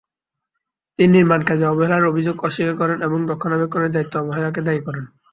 তিনি নির্মাণকাজে অবহেলার অভিযোগ অস্বীকার করেন এবং রক্ষণাবেক্ষণের দায়িত্বে অবহেলাকে দায়ী করেন।